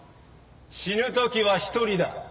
死ぬ時は一人だ。